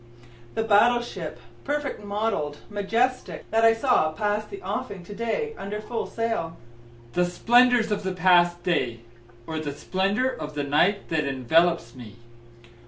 The battle ship, perfect model'd, majestic, that I saw pass the offing to day under full sail? The splendors of the past day? Or the splendor of the night that envelopes me?